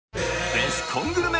ベスコングルメ！